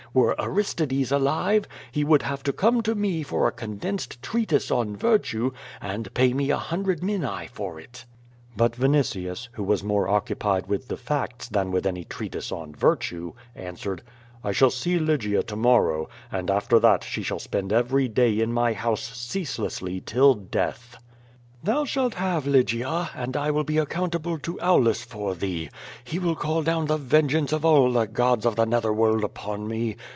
Were Aristides alive, he would have to come to me for a condensed treatise on Virtue, and pay me a hundred minac for it." But Vinitius, who was more occupied with the facts than with any treatise on Virtue, answered: "I shall see Lygia to morrow, and after that she shall spend ever}' day in my house ceaselessly till death." "Thou shalt have Lygia, and I will be accountable to Aulus for thee. He will call down the vengeance of all the gods of the nether world upon me.